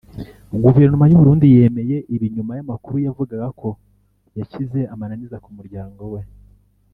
Guverinoma y’u Burundi yemeye ibi nyuma y’amakuru yavugaga ko yashyize amananiza ku muryango we